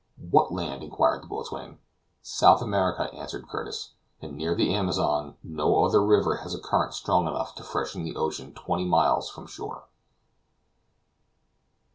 "What land?" inquired the boatswain. "South America," answered Curtis, "and near the Amazon; no other river has a current strong enough to freshen the ocean twenty miles from shore!"